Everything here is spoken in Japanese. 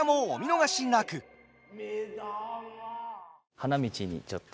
花道にちょっと。